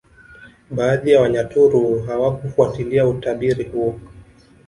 Baadhi ya Wanyaturu hawakufuatilia utabiri huo